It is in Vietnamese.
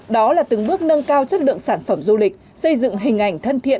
đó là từng bước nâng cao chất lượng sản phẩm du lịch xây dựng hình ảnh thân thiện